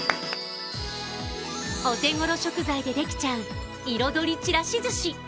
お手頃食材でできちゃう、彩りちらし寿司。